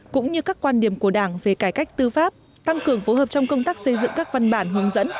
cũng như các quan điểm của đảng về cải cách tư pháp tăng cường phối hợp trong công tác xây dựng các văn bản hướng dẫn